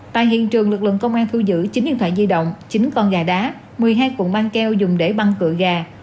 tại hiện trường lực lượng công an thu giữ chín điện thoại di động chín con gà đá một mươi hai cuộn băng keo dùng để băng cựa gà